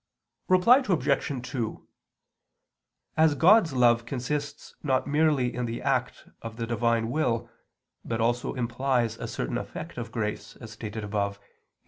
Reply Obj. 2: As God's love consists not merely in the act of the Divine will but also implies a certain effect of grace, as stated above (Q.